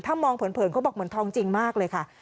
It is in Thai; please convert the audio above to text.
ถ้ามองเผินเขาบอกเหมือนทองจริงมากเลยค่ะ